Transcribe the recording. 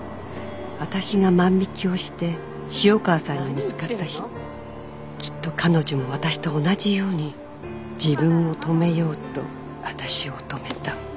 「私が万引をして潮川さんに見つかった日きっと彼女も私と同じように自分を止めようと私を止めた」